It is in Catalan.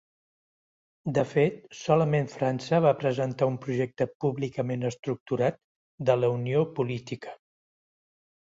De fet, solament França va presentar un projecte públicament estructurat de la unió política.